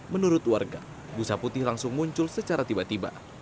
menurut warga busa putih langsung muncul secara tiba tiba